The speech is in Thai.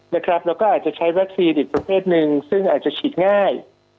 แล้วก็อาจจะใช้วัคซีนอีกประเภทหนึ่งซึ่งอาจจะฉีดง่าย